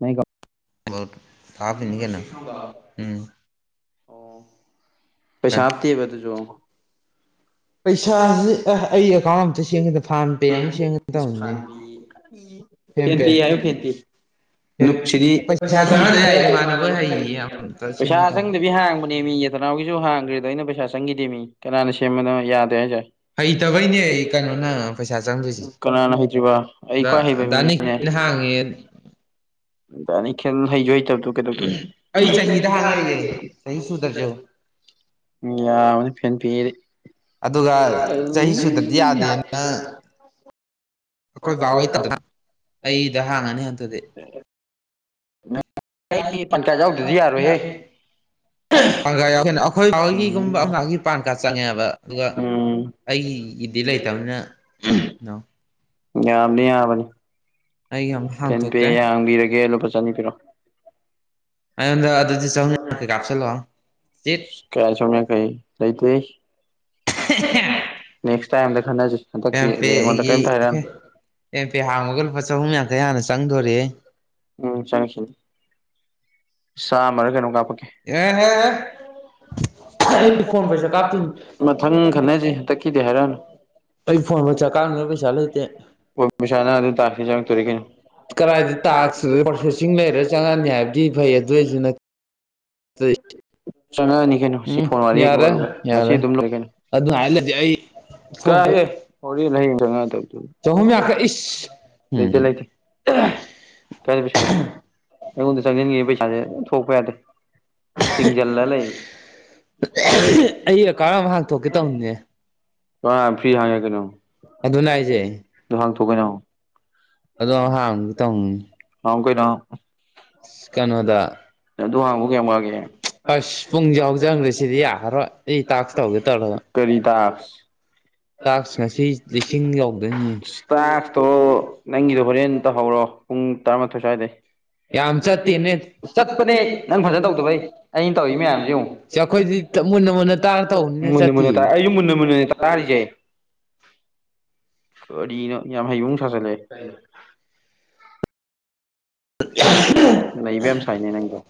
ꯅ ꯀ ꯊꯥꯕꯅꯤ ꯀꯅ ꯎꯝ ꯑꯣ ꯄꯩꯁꯥꯞꯇꯤꯕꯗꯨꯖꯣ ꯩꯁꯥꯟꯕꯤ ꯄꯩꯁꯥꯁꯤ ꯑꯩ ꯑꯦꯀꯥꯎꯟ ꯑꯝꯇ ꯁꯦꯝꯒꯦꯗ ꯐꯥꯔꯝ ꯄꯦ ꯑꯃ ꯁꯦꯝꯒꯦ ꯇꯧꯅꯤꯅꯦ ꯐꯦꯝ ꯄꯦ ꯐꯦꯇ ꯌꯥ ꯐꯦꯇ ꯅꯨꯁꯤꯔꯤ ꯄꯩꯁꯥ ꯆꯪꯍꯟꯗ ꯌꯥꯏ ꯏꯃꯥꯟꯅꯕ ꯍꯩꯌꯦ ꯑꯝꯇ ꯁꯦꯝꯒꯦ ꯑ ꯆꯪꯗꯕꯤ ꯇꯧꯅꯤ ꯍꯥꯡꯕꯅꯦ ꯃꯤ ꯌꯦꯇꯅꯥꯎꯒꯤꯁꯨ ꯍꯥꯡꯈ꯭ꯔꯦꯗ ꯑꯩꯅ ꯄꯩ ꯁꯪꯒꯤꯗꯤ ꯃꯤ ꯀꯅꯥꯅ ꯁꯦꯝꯕꯅꯣ ꯌꯥꯗꯦ ꯍꯥꯏꯁꯦ ꯍꯩꯇꯕꯩꯅꯦ ꯀꯩꯅꯣꯅ ꯄꯩꯁꯥ ꯆꯪꯗꯣꯏꯁꯦ ꯀꯅꯥꯅ ꯍꯩꯇ꯭ꯔꯤꯕ ꯑꯩ ꯗ ꯈ꯭ꯋꯥꯏ ꯍꯩꯕ ꯃꯤꯅꯤꯅꯦ ꯗꯥꯅꯤꯛꯅ ꯍꯥꯡꯉꯦ ꯅꯤ ꯈ ꯊꯖꯣꯏ ꯑꯩ ꯆꯍꯤꯗ ꯍꯥꯡ ꯌꯥꯏꯌꯦ ꯀꯊ ꯆꯍꯤ ꯁꯨꯗ꯭ꯔꯁꯨ ꯇ ꯌꯥꯅꯤ ꯑꯗꯨꯒ ꯐꯔ ꯆꯍꯤ ꯁꯨꯗ꯭ꯔꯗꯤ ꯎ ꯌꯥꯗꯦꯅ ꯌꯥꯗ ꯑꯩꯈꯣꯏ ꯚꯕꯥ ꯍꯩꯇꯗꯅ ꯑꯩꯗ ꯍꯥꯡꯉꯅꯤ ꯍꯟꯇꯗꯤ ꯀ ꯑꯩ ꯄꯥꯟ ꯀꯥꯔꯗ ꯪ ꯌꯥꯎꯗꯗꯤ ꯌꯥꯎ ꯌꯥꯔꯣꯏꯍꯦ ꯎꯝ ꯑꯩꯈꯣꯏꯣꯏꯒꯤꯒꯨꯝꯕ ꯑꯒꯤ ꯄꯥꯟ ꯀꯥꯔꯗ ꯆꯪꯉꯦꯕ ꯑꯗꯨꯒ ꯎꯝ ꯑꯩꯒꯤ ꯒꯤꯗꯤ ꯂꯩꯇꯕꯅꯤꯅ ꯌꯥꯝꯗꯤ ꯌꯥꯕꯅꯤ ꯑꯩꯒꯤ ꯑꯃꯨꯛ ꯐꯦꯟ ꯄꯦ ꯍꯥꯡꯇꯣꯛꯀꯦ ꯍꯥꯡꯕꯤꯔꯒꯦ ꯂꯨꯄꯥ ꯆꯅꯤ ꯄꯤꯔꯣ ꯑꯩꯉꯣꯟꯗ ꯑꯗꯨꯗꯤ ꯆꯪꯅꯤ ꯀꯩ ꯀꯥꯞꯁꯤꯜꯂꯣ ꯀꯌꯥ ꯁꯅ ꯀꯩ ꯂꯩ ꯇ ꯅꯁ ꯇꯥꯏꯝꯗ ꯈꯟꯅꯁꯤ ꯍꯟꯗꯛ ꯑꯦꯝ ꯑꯩꯉꯣꯟꯗ ꯀꯔꯤꯝꯇ ꯄꯦꯒꯤ ꯍꯥꯏꯔ ꯑꯦꯝ ꯄꯦ ꯍꯥꯡꯕꯒ ꯂꯨꯄꯥ ꯆꯍꯨꯝ ꯌꯥꯡꯈꯩ ꯍꯥꯟꯅ ꯆꯪꯗꯣꯔꯦꯍꯦ ꯎꯝ ꯆꯉꯁꯤ ꯆꯥꯃ ꯀꯩꯅꯣꯝ ꯀꯥꯞꯄꯛꯀꯦ ꯑꯦꯍꯦꯍꯦ ꯑꯩ ꯐꯣꯟ ꯄꯩꯁꯥ ꯀꯥꯞꯇꯣꯏꯅꯤ ꯃꯊꯪ ꯈꯟꯅꯁꯤ ꯍꯟꯇꯛꯈꯤꯗꯦ ꯍꯥꯏꯔꯛꯑꯅꯨ ꯑꯩ ꯐꯣꯟ ꯄꯩꯁꯥ ꯀꯥꯞꯅꯕ ꯄꯩꯁꯥ ꯂꯩꯇꯦ ꯁꯅ ꯑꯗꯨ ꯑꯗꯨ ꯇꯥ ꯇꯧꯔꯀꯅꯤ ꯀꯗꯥꯏꯗ ꯇꯥꯛꯁꯤ ꯄ꯭ꯔꯣꯁꯦꯁꯤꯡ ꯂꯩꯔ ꯆꯪꯉꯅꯤ ꯍꯥꯏꯕꯗꯤ ꯐꯩ ꯑꯗꯨꯏꯁꯨ ꯅ ꯇ ꯆꯪꯉꯛꯑꯅꯤ ꯀꯩꯅꯣ ꯁꯤ ꯐꯣꯟ ꯋꯥꯔꯤ ꯍꯦꯛ ꯂꯣꯏꯕ ꯉꯁꯤ ꯌꯥꯔꯦ ꯑꯗꯨꯝ ꯂꯣꯏ ꯀꯩꯅꯣ ꯑꯗꯨ ꯍꯥꯏ ꯂꯩꯔꯗꯤ ꯑꯩ ꯐꯣꯟ ꯀꯥꯏꯑꯦ ꯍꯧꯔꯤ ꯆꯪꯉ ꯇ ꯆꯍꯨꯝ ꯌꯥꯡꯈꯩ ꯏꯁ ꯂꯩꯇ ꯎꯝ ꯂꯩꯇꯦ ꯀꯔꯤ ꯄꯩꯁꯥꯅꯣ [unintelligible] ꯑꯩꯉꯣꯟꯗ ꯆꯪꯁꯤꯟꯒꯤꯕ ꯄꯩꯁꯥꯁꯦ ꯊꯣꯛꯄ ꯌꯥꯗꯦ ꯆꯤꯡꯖꯜ ꯂ ꯂꯩ ꯑꯩ ꯑꯦꯀꯥꯎꯟ ꯑꯃ ꯍꯥꯡꯇꯣꯛꯀꯦ [unintelligible] ꯇꯧꯅꯦ [unintelligible] ꯐ꯭ꯔꯤ ꯍꯥꯡꯉꯦ ꯀꯩꯅꯣ ꯑꯗꯨꯅ ꯍꯥꯏꯁꯦ [unintelligible] ꯗꯣ ꯍꯥꯡꯇꯣꯛꯑꯣ ꯀꯩꯅꯣ ꯑꯗꯣ ꯍꯥꯡꯒꯦ ꯇꯧꯅꯤ [unintelligible] ꯍ [unintelligible] ꯀꯩꯅꯣ ꯀꯩꯅꯣꯗ [unintelligible] ꯑꯦ ꯑꯗꯨ ꯍꯥꯡꯕꯨ ꯀꯌꯥꯝ ꯋꯥꯒꯦ ꯑꯁ ꯄꯨꯡꯁꯦ ꯍꯧꯖꯤꯟꯈ꯭ꯔꯦ ꯁꯤꯗꯤ ꯌꯥꯔꯔꯣꯏ ꯑꯩ ꯇꯥꯛꯁ ꯇꯧꯒꯦ ꯇꯧꯔꯒ [unintelligible] ꯀꯔꯤ ꯇꯥꯛꯁ [unintelligible] ꯇꯥꯛꯁ ꯉꯁꯤ ꯂꯤꯁꯤꯡ ꯌꯧꯗꯣꯏꯅꯤ ꯇꯥꯛꯁꯇꯣ ꯅꯪꯒꯤꯗꯣ ꯍꯣꯔꯦꯟ ꯇꯧꯍꯧꯔꯣ ꯄꯨꯡ ꯇꯔꯥꯃꯥꯊꯣꯏ ꯁ꯭ꯋꯥꯏꯗꯩ ꯌꯥꯝ ꯆꯠꯇꯦꯅꯦ [unintelligible] ꯆꯠꯄꯅꯦ ꯅꯪ ꯐꯖꯅ ꯇꯧꯗꯕꯩ ꯑꯩꯅ ꯇꯧꯏ ꯃꯌꯥꯝꯖꯦ ꯌꯦꯡꯉꯣ ꯁꯤ ꯑꯩꯈꯣꯏꯗꯤ ꯃꯨꯟꯅ ꯃꯨꯟꯅ ꯇꯥꯔ [unintelligible] ꯇꯧꯕꯅꯤꯅ ꯃꯨꯟꯅ ꯆꯠꯇꯦ ꯃꯨꯟꯅ ꯇꯥ ꯑꯩꯁꯨ ꯃꯨꯟꯅ ꯃꯨꯟꯅ [unintelligible] ꯇꯥꯔꯤꯖꯦ ꯀꯔꯤꯅꯣ ꯌꯥꯝ ꯍꯩꯕ ꯑꯃꯨꯛꯕ ꯁꯥꯖꯤꯜꯂꯛꯑꯦ [unintelligible] ꯅꯩꯕ ꯌꯥꯝ ꯁꯥꯏꯅꯦ ꯅꯪꯗꯣ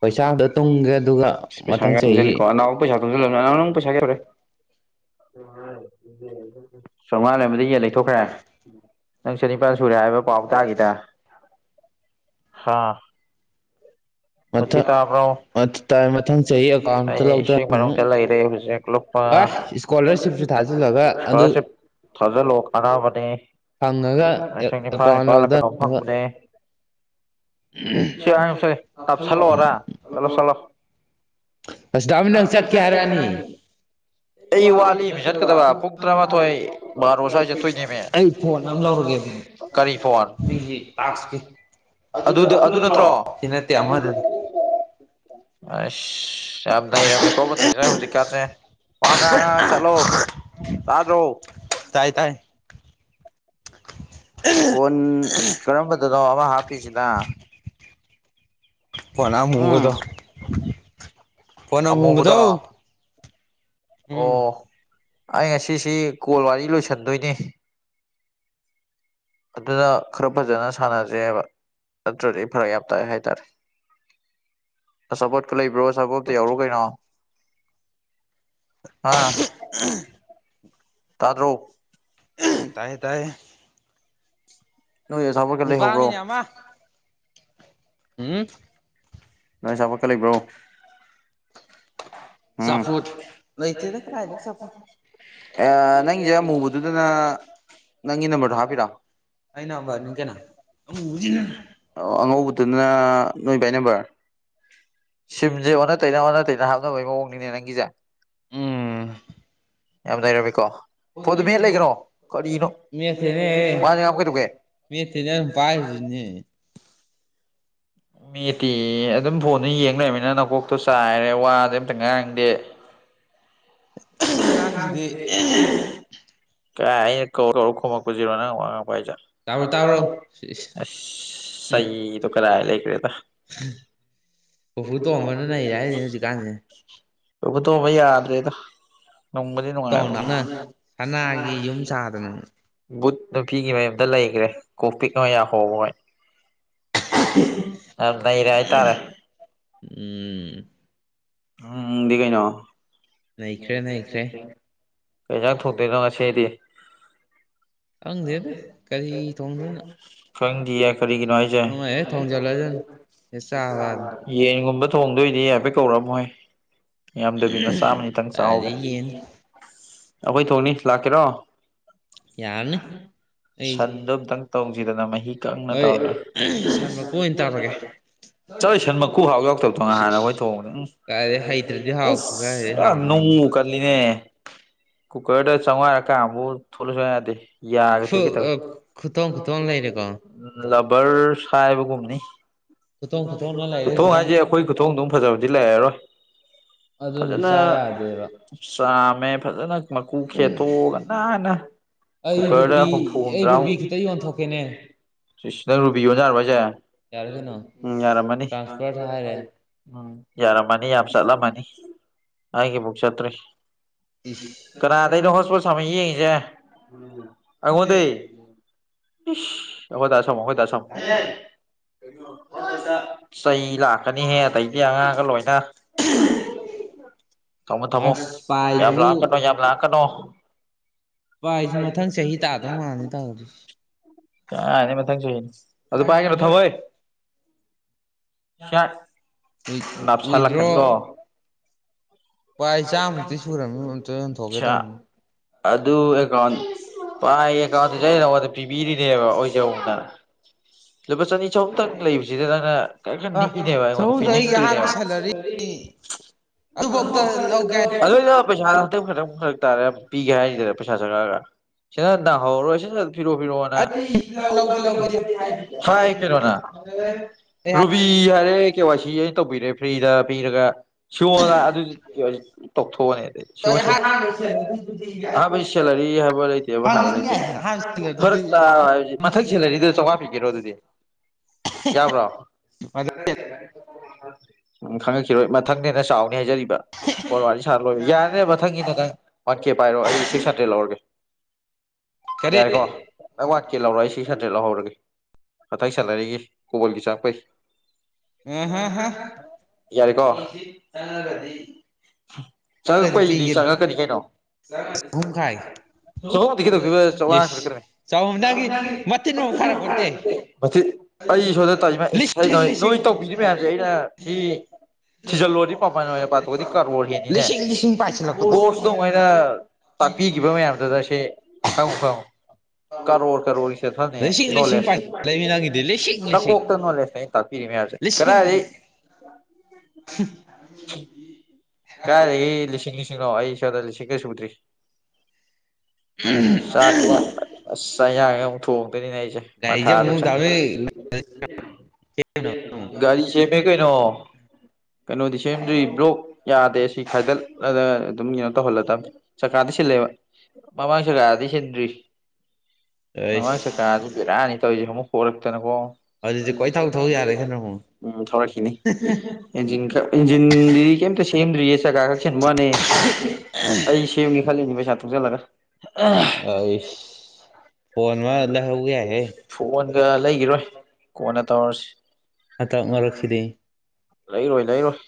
ꯄꯩꯁꯥ ꯑꯝꯇ ꯇꯨꯡꯒꯦ ꯑꯗꯨꯒ ꯃꯊꯪ ꯆꯍꯤ [unintelligible] [unintelligible] [inaudible] ꯆꯥꯝꯉꯥ ꯂꯩꯔꯝꯕꯗꯩ ꯌꯦꯟ ꯂꯩꯊꯣꯛꯈ꯭ꯔꯦ [unintelligible] ꯅꯪ ꯆꯅꯤꯄꯥꯟ ꯁꯨꯔꯦ ꯍꯥꯏꯕ ꯄꯥꯎ ꯇꯥꯒꯤꯗꯥ ꯍꯥ ꯃꯊꯪ [unintelligible] [unintelligible] ꯃꯊꯪ ꯆꯍꯤ ꯑꯦꯀꯥꯎꯟ ꯑꯝꯇ ꯑꯩ ꯏꯁꯤꯡ ꯂꯧꯊꯅꯤ ꯃꯅꯨꯡꯗ ꯂꯩꯔꯦ ꯍꯧꯖꯤꯛ ꯂꯨꯞꯄ ꯑ ꯏꯁꯀꯣꯂꯥꯔꯁꯤꯞꯁꯨ ꯊꯥꯖꯤꯜꯂꯒ ꯑꯗꯨ ꯁ꯭ꯀꯣꯂꯔꯁꯤꯞ ꯊꯥꯖꯤꯜꯂꯣ ꯀꯥꯟꯅꯕꯅꯦ ꯐꯪꯉꯒ ꯂꯤꯁꯤꯡ ꯅꯤꯄꯥꯜ ꯑꯦꯀꯥꯎꯟ ꯅꯤꯄꯥꯜꯂ ꯀꯩꯅꯣꯝ ꯂꯧꯊꯅꯕ ꯐꯪꯕꯅꯦ [unintelligible] ꯆꯂꯣ ꯆꯂꯣ ꯑꯁꯗꯥꯃꯤ ꯅꯪ ꯇꯃꯅ ꯆꯠꯀꯦ ꯆꯠ ꯍꯥꯏꯔꯅꯤ ꯍꯥꯏꯔꯛꯑꯅꯤ [unintelligible] ꯑꯩ ꯋꯥꯠꯂꯤ ꯃꯤ ꯆꯠꯀꯗꯕ ꯄꯨꯡ ꯇꯔꯥꯃꯥꯊꯣꯏ ꯕꯥꯔꯣ ꯁ꯭ꯋꯥꯏ ꯆꯠꯇꯣꯏꯅꯦꯃꯤ [unintelligible] [unintelligible] ꯐꯣꯟ [unintelligible] ꯥꯇꯥꯛꯁꯀꯤ ꯑꯗꯨꯗ ꯑꯗꯨ ꯅꯠꯇ꯭ꯔꯣ [unintelligible] ꯁꯤ ꯅꯠꯇꯦ ꯑꯃꯗꯅ [inaudible] [unintelligible] ꯌꯥꯝ ꯅꯩꯔꯝꯃꯦ ꯀꯣ ꯃꯨꯊꯤꯁꯦ [unintelligible] ꯍꯧꯖꯤꯛꯀꯥꯟꯁꯦ ꯋꯥ ꯉ ꯉ ꯆꯠꯂꯣ ꯇꯥꯗ꯭ꯔꯣ ꯇꯥꯏ ꯇꯥꯏ [inaudible] ꯐꯣꯟ ꯀꯔꯝꯕꯗꯅꯣ ꯑꯃ ꯍꯥꯞꯄꯤꯖꯤꯅꯥ ꯐꯣꯟ ꯎꯝ ꯑꯃꯨꯕꯗꯣ ꯐꯣꯟ ꯑꯃꯨꯕꯗꯣ ꯎꯝ ꯑꯣ ꯑꯩ ꯉꯁꯤꯁꯤ ꯀꯣꯜ ꯋꯥꯔꯤ ꯂꯣꯏꯁꯟꯗꯣꯏꯅꯤ ꯑꯗꯨꯅ ꯈꯔ ꯐꯖꯅ ꯁꯥꯟꯅ ꯁꯦꯕ ꯅꯠꯇ꯭ꯔꯗꯤ ꯑꯩ ꯐꯔꯛ ꯌꯥꯝ ꯇꯥꯏ ꯍꯥꯏ ꯇꯥꯔꯦ ꯑꯆꯥꯄꯣꯠꯀ ꯂꯩꯕ꯭ꯔꯣ ꯑꯆꯥꯄꯣꯠ ꯑꯝꯇ ꯌꯥꯎꯔꯛꯑꯣ ꯀꯩꯅꯣ ꯑꯥ ꯇꯥꯗ꯭ꯔꯣ [unintelligible] ꯇꯥꯏꯌꯦ ꯇꯥꯏꯌꯦ ꯅꯣꯏ ꯑꯆꯥꯥꯄꯣꯠꯀ ꯂꯩꯍꯧꯕ꯭ꯔꯣ ꯅꯤꯄꯥꯝꯅꯤꯅꯦ ꯑꯃ ꯎꯝ ꯅꯣꯏ ꯑꯆꯥꯄꯣꯠꯀ ꯂꯩꯕ꯭ꯔꯣ ꯎꯝ ꯆꯥꯐꯨꯠ ꯂꯩꯇꯦꯗꯥ ꯀꯔꯥꯏꯗꯩ ꯑꯆꯥꯄꯣꯠꯅꯣ [unintelligible] ꯅꯪꯒꯤꯁꯦ ꯑꯃꯨꯕꯗꯨꯗꯅ ꯅꯪꯒꯤ ꯅꯝꯕꯔꯗꯣ ꯍꯥꯞꯄꯤꯔꯣ ꯑꯩ ꯅꯝꯕꯔꯅꯤ ꯀꯩꯅꯣ ꯑꯃꯨꯕꯁꯤꯅ [unintelligible] ꯑꯉꯧꯕ [unintelligible] [unintelligible] ꯑꯗꯨꯅ ꯅꯣꯏ ꯕꯥꯏ ꯅꯝꯕꯔ ꯁꯤꯝꯁꯦ ꯑꯣꯟꯅ ꯇꯩꯅ ꯑꯣꯟꯅ ꯇꯩꯅ ꯍꯥꯞꯅꯕꯒꯤ ꯃꯑꯣꯡꯅꯤꯅꯦ ꯅꯪ ꯒꯤꯖꯦ ꯎꯝ ꯌꯥꯝ ꯅꯩꯔꯝꯃꯦꯀꯣ ꯐꯣꯟꯗꯨ ꯃꯦꯠ ꯂꯩꯒꯅꯣ ꯀꯔꯤꯅꯣ [unintelligible] ꯋꯥꯖꯦ ꯉꯥꯡꯕ ꯀꯩꯗꯧꯒꯦ ꯃꯦꯠꯇꯦ ꯅꯪꯅ ꯄꯥꯏꯕꯖꯤꯅꯅꯦ ꯃꯦꯠꯇꯤ ꯑꯗꯨꯝ ꯐꯣꯟꯗ ꯌꯦꯡ ꯂꯩꯃꯤꯅ ꯅꯀꯣꯛꯇꯣ ꯆꯥꯏꯔꯦ ꯋꯥꯗꯤ ꯑꯝꯇ ꯉꯥꯏꯔꯥꯡꯗꯦ [unintelligible] ꯑꯉꯥꯡꯁꯤꯗꯤ ꯍꯥꯏꯦ ꯀꯥꯏ ꯀꯔꯈꯃ ꯀꯖꯤꯔ ꯄꯖ ꯇꯥꯕ꯭ꯔꯣ ꯇꯥꯕ꯭ꯔꯣ ꯁꯤ ꯏꯁ ꯑ ꯎꯝ ꯁꯗ ꯈꯔꯂ ꯏꯈ ꯄꯨꯄꯨ ꯇꯣꯝꯕꯅ ꯅꯩꯔꯦ ꯍꯥꯏꯔꯤꯅꯦ ꯍꯧꯖꯤꯛꯀꯥꯟꯁꯦ ꯎꯕꯛꯇꯕ ꯌꯥꯗꯔꯦꯗ ꯅꯨꯡꯕꯨꯗꯤ ꯇꯥꯎ ꯅꯨꯡꯉꯥꯏꯕ ꯅꯥꯎꯅ ꯁꯅꯥꯒꯤ ꯌꯨꯝ ꯁꯥꯗꯅ ꯠ ꯅꯨꯄꯤꯤꯒꯤ ꯃꯌꯨꯝꯗ ꯂꯩꯈ꯭ꯔꯦ ꯀꯣꯛꯄꯤꯛꯅ ꯌꯥꯍꯣꯕ ꯍꯣꯏ ꯑꯗ ꯏꯔꯦ ꯍꯥꯏ ꯇꯔꯦ ꯎꯝ ꯎꯝꯗꯤꯒꯩꯅ ꯅꯈ꯭ꯔꯦ ꯅꯈ꯭ꯔꯦ ꯀꯩꯁꯥꯛ ꯊꯣꯛꯇꯣꯏꯅꯣ ꯉꯁꯤꯗꯤ ꯈꯪꯗꯦꯗ ꯀꯔꯤ ꯊꯣꯡꯗꯣꯏꯅꯣ ꯈꯪꯗꯌꯦ ꯀꯔꯤꯒꯤꯅꯣ ꯍꯥꯏꯁꯦ ꯑꯃ ꯍꯦꯛ ꯊꯣꯡꯖꯤꯜꯂꯗꯝꯅꯤ ꯍꯦꯛ ꯆꯥꯕ ꯌꯦꯟꯒꯨꯝꯕ ꯊꯣꯡꯗꯣꯏꯗꯤ ꯌꯥꯐꯦꯠ ꯀꯧꯔꯛꯑꯃꯍꯣꯏ ꯌꯥꯝꯗꯕꯤ ꯃꯆꯥ ꯑꯃꯅꯤꯅꯤꯇꯪ ꯆꯥꯎꯍꯒꯦ ꯀꯥꯏꯗꯩ ꯌꯦꯟ ꯑꯩꯈꯣꯏ ꯊꯣꯡꯅꯤ ꯂꯥꯛꯀꯦꯔꯣ ꯌꯥꯔꯅꯤ ꯑꯩ ꯁꯟꯗꯣ ꯑꯝꯇꯪ ꯇꯧꯁꯤ ꯁꯤꯗꯅ ꯃꯍꯤ ꯀꯪꯅ ꯍꯣꯏ ꯇꯧꯒ ꯁꯟ ꯃꯀꯨ ꯑꯣꯏꯅ ꯇꯧꯔꯒꯦ ꯆꯧ ꯁꯟ ꯃꯀꯨ ꯍꯥꯎ ꯌꯥꯎꯗꯕꯗꯧ ꯍꯥꯏꯥꯟꯅ ꯁꯤꯁ ꯑꯩꯈꯣꯏ ꯊꯣꯡꯕꯗ ꯀꯥꯏꯗꯩ ꯍꯩꯇ꯭ꯔꯗꯤ ꯎ ꯍꯥꯎ ꯀꯥꯏꯗꯩ ꯑꯁ ꯍꯥꯎꯅꯤ ꯅꯅꯨꯡ ꯀꯂꯤꯅꯦ ꯀꯨꯀꯔꯗ ꯆꯥꯝꯋꯥꯥꯏꯔꯀꯥꯟꯕꯨ ꯊꯣꯛꯂꯁꯨ ꯌꯥꯗꯦ ꯌꯥꯒꯦ ꯈꯨ ꯀ ꯇꯧ ꯑ ꯈꯨꯊꯣꯡ ꯈꯨꯊꯣꯡ ꯂꯩꯔꯦꯀꯣ ꯕꯔ ꯁ ꯍꯥꯏꯕꯒꯨꯝꯅꯤ ꯈꯨꯊꯣꯡ ꯈꯨꯊꯣꯡꯅ ꯂꯩꯔꯦ ꯈꯨꯊꯣꯡ ꯍꯧꯖꯤꯛꯀꯥꯟ ꯍꯥꯏꯁꯦ ꯑꯩꯈꯣꯏ ꯈꯨꯊꯣꯡꯗꯨꯝ ꯐꯖꯕꯗꯤ ꯂꯩꯔꯣꯏ ꯑꯗꯨꯅ ꯆ ꯌꯥꯗꯦꯕ ꯆꯥꯝꯃꯦ ꯐꯖꯅ ꯃꯀꯨ ꯈꯦꯠꯇꯣꯛꯑꯒ ꯅꯥꯟꯅ ꯑꯩ ꯀꯨꯀꯔꯗ ꯔꯨꯕꯤ ꯍꯨꯝꯐꯨ ꯑꯩ ꯍꯨꯝꯗ꯭ꯔꯥꯎ ꯔꯨꯕꯤ ꯈꯤꯇ ꯌꯣꯟꯊꯣꯛꯀꯦꯅꯦ ꯁꯤꯁꯅꯪ ꯔꯨꯕꯤꯌꯣꯅꯖꯔ ꯍꯥꯏꯁꯦ ꯌꯥꯔꯦ ꯀꯩꯅꯣ ꯎꯝ ꯑꯔꯃꯅꯤ ꯇ꯭ꯔꯥꯟꯁꯐꯔ ꯍꯥꯏꯔꯦ ꯎꯝ ꯌꯥꯔꯝꯃꯅꯤ ꯌꯥꯝ ꯆꯠꯂꯝꯃꯅꯤ ꯑꯩꯒꯤꯕꯨꯛ ꯆꯠꯇ꯭ꯔꯤ ꯏꯁ ꯀꯅꯥꯗ ꯑꯩꯅꯣ ꯍꯣꯁꯄꯤꯣꯜ ꯁꯥꯃ ꯌꯦꯡꯉꯁꯦ ꯑꯉꯗ ꯍ ꯇꯁꯣꯝ ꯇꯁꯣꯝ ꯆꯩ ꯂꯥꯛꯀꯅꯤꯍꯦ ꯑꯗꯩꯗꯤ ꯑꯉꯥꯡꯒ ꯂꯣꯏꯅ ꯊꯃꯣ ꯊꯃꯣ ꯑꯁ ꯌꯥꯕ꯭ꯂ ꯄꯥꯏꯁꯤꯁꯨ ꯀꯣ ꯌꯥꯕ꯭ꯂ ꯀꯣ ꯚ ꯑꯩꯁꯨ ꯃꯊꯪ ꯆꯍꯤ ꯇꯥꯗꯧ ꯃꯜꯅꯤ ꯇꯧꯔꯗꯤ ꯀꯥꯏꯅꯤ ꯃꯊꯪꯁꯨꯨꯅꯤ ꯑꯗꯨ ꯄꯥꯏꯒꯅꯣ ꯊꯝ ꯍꯣꯏ ꯁꯤꯌꯥ ꯋꯤꯗ꯭ꯔꯣ ꯅꯅꯥꯥꯞꯁꯜꯂꯛꯀꯅꯤꯀꯣ ꯄꯥꯏ ꯆꯥꯃꯨꯛꯇꯤ ꯁꯨꯔꯝꯅꯤ ꯑꯝꯇ ꯌꯣꯟꯊꯣꯛꯀꯦ ꯑꯆꯥ ꯇꯧꯅꯤ ꯑꯗꯨ ꯑꯦꯀꯥꯎꯟ ꯄꯥꯏ ꯑꯦꯀꯥꯎꯟꯗꯨꯁ ꯅꯉꯣꯟꯗ ꯄꯤꯕꯤꯔꯤꯅꯦꯕ ꯑꯣꯏꯖꯧꯅꯅ ꯂꯨꯄꯥ ꯆꯅꯤ ꯆꯍꯨꯝꯛꯇꯪ ꯂꯩꯕꯁꯤꯗ ꯅꯪꯅ ꯈꯔ ꯈꯔ ꯑ ꯅꯤꯏꯅꯦꯕ ꯑꯩꯉꯣꯟꯗ ꯁꯣꯝꯗ ꯑꯩꯒꯤ ꯑꯍꯥꯟꯕ ꯄꯤꯅꯤꯡꯗꯣꯏꯅꯦꯕ ꯁꯦꯂꯔꯤ ꯑꯗꯨꯐꯧꯇ ꯂꯧꯒꯦ ꯑꯗꯨ ꯄꯩꯁꯥꯗ ꯍꯇꯪꯛꯇꯪ ꯐꯛ ꯇꯥꯔꯦ ꯄꯤꯒꯦ ꯍꯥꯏꯔꯤꯁꯤꯗ ꯄꯩꯁꯥ ꯆꯪꯉꯛꯑꯒ ꯁꯤꯅ ꯗꯍꯣꯔꯣꯏꯁꯦ ꯐꯔꯣ ꯐꯤꯣ ꯂꯧꯒꯦ ꯂꯧꯒꯦ ꯍꯥꯏ ꯀꯩꯅꯣꯅꯥ ꯔꯨꯕꯤ ꯍꯥꯏꯔ ꯑꯔꯦ ꯀꯦ ꯋꯥꯏ ꯁꯤ ꯑꯩꯅ ꯇꯧꯕꯤꯔꯦ ꯐ꯭ꯔꯤꯗ ꯄꯤꯔꯒ ꯁꯤꯣꯉꯒ ꯑꯗꯨꯦ ꯇꯊꯣꯛ ꯁꯨꯕꯩ ꯆꯂꯔꯤ ꯍꯥꯏ ꯐꯕ ꯂꯩꯇꯦꯕ ꯍ ꯍꯪꯅꯤꯡ ꯂꯩꯇꯦ ꯌꯥꯏꯗꯅ ꯑꯍꯥꯟꯕ ꯁꯦꯂꯔꯤꯗꯨꯗꯤ ꯐꯔꯛꯥ ꯃꯊꯛ ꯁꯦꯂꯔꯤꯗꯨꯗ ꯆꯝꯉꯥꯛꯄꯤꯤꯒꯦꯔꯣ ꯑꯗꯨꯗꯤ ꯌꯥꯕ꯭ꯔꯣ ꯎꯝ ꯈꯪꯉꯛꯈꯤꯔꯣꯏ ꯃꯊꯪꯅꯦꯅ ꯆꯥꯎꯅꯤ ꯍꯥꯏꯖꯔꯤꯕ ꯋꯥꯔꯤ ꯁꯥꯔ ꯂꯣꯏ ꯌꯥꯔꯅꯦ ꯃꯊꯪꯒꯤ ꯅ ꯅꯪ ꯋꯥꯟ ꯀꯦ ꯄꯥꯏꯔꯣ ꯑꯩ ꯁꯤꯛꯁ ꯍꯟꯗ꯭ꯔꯦꯗ ꯂꯧꯔꯒꯦ ꯀꯔꯤ ꯌꯥꯔꯦꯀꯣ ꯑꯩ ꯋꯥꯠꯀꯦ ꯂꯧꯔ ꯑꯩꯁꯤ ꯊ꯭ꯔꯤ ꯍꯟꯗ꯭ꯔꯦꯗ ꯂꯧꯍꯧꯔꯒꯦ ꯃꯊꯪ ꯁꯥꯟꯅꯔꯤꯒꯤ ꯀꯕꯜꯒꯤ ꯆꯥꯡ ꯐꯩ ꯑꯍꯥꯍꯥ ꯌꯥꯔꯦꯀꯣ ꯆꯪꯉꯛꯄ ꯈꯔꯗꯤ ꯑꯩꯗꯤ ꯄꯤꯒꯦꯅꯦ ꯆꯪꯉꯛꯀꯅꯤ ꯀꯩꯅꯣ ꯑꯍꯨꯝ ꯈꯥꯏꯒꯦ ꯆꯧ ꯊꯦꯗ ꯂꯤꯁ ꯆꯧꯉꯔ ꯆꯍꯨꯝꯗꯒꯤ ꯃꯇꯤꯟ ꯃꯨꯛ ꯈꯥꯏꯔꯛꯄꯣꯟꯇꯦ [unintelligible] ꯑꯩ ꯁꯣꯗ ꯇꯥꯏꯃ ꯂꯤꯁꯤꯡ ꯂꯤꯁꯤꯡ ꯅꯣꯏ ꯇꯧꯕꯤꯔꯤ ꯃꯌꯥꯝꯁꯦ ꯑꯩꯅ ꯁꯤ ꯊꯤꯖꯤꯜꯂꯣꯗꯤ ꯃꯕꯥꯅ ꯑꯣꯏꯅ ꯄꯥꯊꯣꯛꯒꯗꯤ ꯀꯔꯣ ꯍꯅꯤꯅꯦ ꯂꯤꯁꯤꯡ ꯂꯤꯁꯤꯡ ꯄꯥꯏꯁꯤꯜꯂꯛꯄꯗꯣ ꯀꯣꯔꯁꯇꯣꯉꯥꯏꯅ ꯇꯥꯛꯄꯤꯈꯤꯕ ꯃꯌꯥꯝꯗꯨꯗ ꯁꯦ ꯈꯪ ꯈꯪ ꯀꯔꯣꯔ ꯀꯔꯣꯔꯒꯤꯁꯦ ꯐꯅꯤ ꯂꯤꯁꯤꯡ ꯂꯤꯁꯤꯡ ꯅꯣꯂꯦꯖꯇ ꯄꯥꯏꯁꯤꯜꯂꯛꯏꯃꯤ ꯅꯪꯒꯤꯗꯤ ꯂꯤꯁꯤꯡ ꯂꯤꯁꯤꯡ ꯅꯀꯣꯛꯇ ꯅꯣꯂꯦꯖꯇꯩꯅ ꯇꯥꯛꯄꯤꯔꯤ ꯃ ꯂꯤꯁꯤꯡ ꯀꯗꯥꯔꯤ [inaudible] ꯀꯥꯏꯦ ꯂꯤꯁꯅꯤ ꯁꯤꯉꯣ ꯑꯩꯁꯗ ꯁꯤꯒꯁꯕꯨꯗ꯭ꯔꯤ ꯁ ꯊ ꯅꯤ ꯅ ꯆ ꯃꯊꯥ ꯒꯥꯔꯤꯖꯦ ꯑꯔ ꯑꯃꯨꯛ ꯗꯥ ꯍꯣꯏ ꯒꯥꯔꯤ ꯁꯦꯝꯃꯦ ꯀꯩꯅꯣ ꯀꯩꯅꯣꯗꯤ ꯁꯦꯝꯗ꯭ꯔꯤ ꯕ꯭ꯔꯣꯛ ꯌꯥꯗꯦ ꯁꯤ ꯈꯥꯏꯗꯠꯂꯒ ꯑꯗꯨꯝ ꯀꯩꯅꯣ ꯇꯧꯍꯜꯂꯗꯕ ꯆꯀꯥꯔꯗꯤ ꯁꯤꯜꯂꯦꯕ ꯃꯃꯥꯡꯁꯒ ꯑꯗꯤꯁꯗ꯭ꯔꯤꯁ ꯃꯉ ꯑꯩꯁ ꯁꯀꯥꯏ ꯑꯗꯨ ꯔꯥꯅꯤ ꯇꯧꯁꯦ ꯑꯃꯛ ꯄꯣꯔꯛꯇꯅꯀꯣ ꯑꯗꯨꯗꯤ ꯀꯣꯏꯊꯧ ꯊꯧ ꯌꯥꯔꯦ ꯀꯩꯅꯣ ꯑꯃꯨꯛ ꯎꯝ ꯊꯧꯔꯛꯈꯤꯅꯤ ꯏꯟꯖꯤꯟ ꯈꯛ ꯖꯤꯒꯤ ꯀꯦꯝꯇ ꯁꯦꯝꯗꯔꯤꯦ ꯆꯒꯥꯥ ꯈꯛꯁꯤꯟꯕꯅꯤ ꯑꯩ ꯁꯦꯝꯅꯤ ꯈꯜꯂꯤꯅꯦ ꯄꯩꯁꯥ ꯇ ꯊꯣꯛꯁꯜꯂꯒ ꯑꯩꯁ ꯐꯣꯟ ꯑꯃ ꯑ ꯂꯩꯍꯧ ꯌꯥꯏꯍꯦ ꯐꯣꯟꯒ ꯂꯩꯈꯤꯔꯣꯏ ꯀꯣꯟꯅ ꯇꯧꯔꯁꯤ ꯍꯥꯇꯥꯎ ꯃꯔꯛꯈꯤꯗꯦ ꯂꯩꯔꯣꯏ ꯂꯩꯔꯣꯏ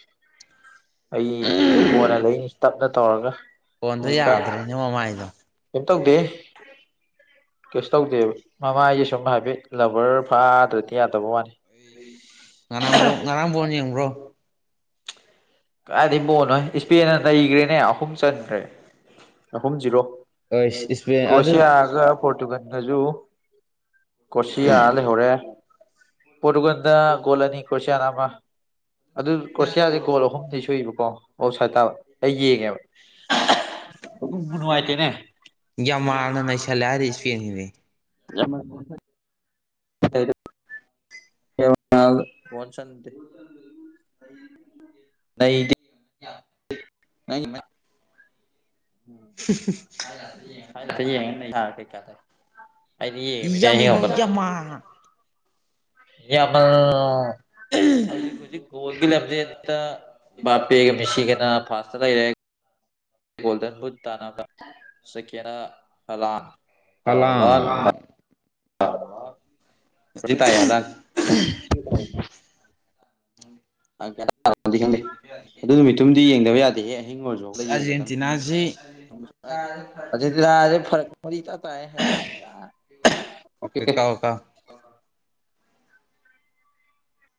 ꯑꯩ ꯀꯣꯟꯅ ꯂꯩꯅꯤ ꯇꯞꯅ ꯇꯧꯔꯒ ꯐꯣꯟꯗꯣ ꯍꯧꯖꯤꯀ ꯌꯥꯗ꯭ꯔꯦꯅꯦ ꯃꯃꯥꯏꯗꯣ ꯀꯝ ꯇꯧꯗꯦ ꯀꯩꯁꯨ ꯇꯧꯗꯦꯕ ꯃꯃꯥꯏꯁꯦ ꯁꯨꯝ ꯍꯥꯏꯐꯦꯠ ꯂꯕꯔ ꯐꯥꯗ꯭ꯔꯗꯤ ꯌꯥꯗꯕ ꯋꯥꯅꯤ ꯑꯩꯁ ꯉꯔꯥꯡ ꯉꯔꯥꯡ ꯐꯅ ꯌꯦꯡꯕ꯭ꯔꯣ ꯀꯥꯏꯗꯤꯕꯣ ꯅꯣꯏ ꯏꯁꯄꯦꯟꯅ ꯂꯩꯈ꯭ꯔꯦꯅꯦ ꯑꯍꯨꯝ ꯆꯟꯈ꯭ꯔꯦ ꯑꯍꯨꯝ ꯖꯤꯔꯣ ꯑꯣꯏꯁ ꯏꯁꯄꯦꯟ ꯑꯗꯨ ꯀ꯭ꯔꯣꯁꯤꯌꯥꯒ ꯄꯣꯔꯇꯨꯒꯜꯒꯁꯨ ꯀꯣꯁꯤꯌꯥ ꯂꯩꯍꯧꯔꯦ ꯄꯣꯔꯇꯨꯒꯥꯟꯗ ꯒꯣꯜ ꯑꯅꯤ ꯀ꯭ꯔꯣꯁꯤꯌꯥꯅ ꯑꯃ ꯑꯗꯨ ꯀ꯭ꯔꯣꯁꯤꯌꯥꯁ ꯒꯣꯜ ꯑꯍꯨꯝ ꯁꯨꯕꯀꯣ ꯑꯣꯎ ꯁꯥꯠ ꯇꯥꯕ ꯑꯩ ꯌꯦꯡꯉꯦꯕ ꯅꯨꯉꯥꯏꯇꯦꯅꯦ ꯌꯥꯝꯃꯥꯜꯅ ꯅꯩꯁꯜꯂꯦ ꯍꯥꯏꯔꯤ ꯏꯁꯄꯦꯟꯒꯤꯗꯤ ꯌꯥꯝ [inaudible] ꯍꯟꯁꯗꯤ [inaudible] ꯂꯩꯗꯤ [inaudible] ꯅ [inaudible] [inaudible] ꯀꯩꯀꯥꯗ ꯑꯩꯗꯤ [inaudible] ꯌꯥꯃꯤꯅꯣ ꯅꯦꯝꯕꯗ ꯌꯥꯝꯃꯥꯜ ꯌꯥꯃꯜ ꯀꯣꯜꯒꯤ ꯂꯥꯝꯖꯦꯜꯗ ꯕꯥꯄꯦ ꯀ ꯃꯤꯁꯤ ꯒꯅꯤ ꯑ ꯐꯥꯥꯁꯇ ꯂꯩꯔꯦ ꯒꯣꯜꯗꯟ ꯕꯨꯨꯠ ꯇꯥꯟꯅꯕ ꯁꯦꯐꯣꯟꯗ ꯍꯂꯥꯟꯗ ꯍꯥꯂꯥꯡ ꯍꯧꯖꯤ ꯇꯑ ꯍꯂ [inaudible] ꯈꯩ ꯑꯗꯨ ꯅꯨꯃꯤꯠꯇꯨꯝꯗꯤ ꯌꯦꯡꯗꯕ ꯌꯥꯗꯦꯍꯦ [inaudible] ꯑꯍꯤꯡ ꯑꯣꯏꯔꯁꯨ ꯑꯁ ꯍꯧꯒꯠꯂꯒ ꯌꯦꯟꯒꯗꯧꯅꯤ ꯑꯥꯔꯖꯦꯟꯇꯤꯅꯥꯁꯤ ꯑꯔꯒꯦꯟꯇꯤꯅꯥꯁꯤ ꯐꯔꯛ ꯃꯔꯤ ꯏꯇꯥ ꯇꯥꯏꯍꯦ [inaudible] ꯑꯣ ꯀꯦ ꯀꯥ ꯑꯣ ꯀꯥ [inaudible]